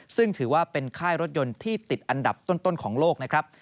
ซึ่งถือว่าเป็นค่ายรถยนต์ที่ติดอันดับต้นของโลกนะครับ